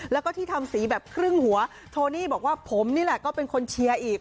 แล้วก็ที่ทำสีแบบครึ่งหัวโทนี่บอกว่าผมนี่แหละก็เป็นคนเชียร์อีก